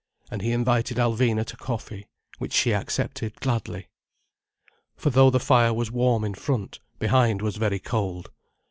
And he invited Alvina to coffee. Which she accepted gladly. For though the fire was warm in front, behind was very cold.